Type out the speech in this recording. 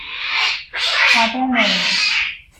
沙嗲味